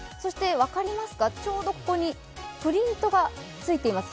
分かりますか、ちょうどここにプリントがついています。